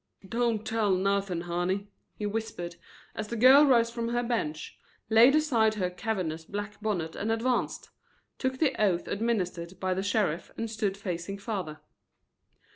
"Don't tell nothing, honey," he whispered, as the girl rose from her bench, laid aside her cavernous black bonnet and advanced, took the oath administered by the sheriff and stood facing father.